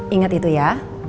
ingat itu ya